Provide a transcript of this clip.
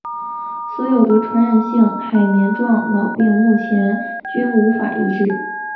所有得传染性海绵状脑病目前均无法医治。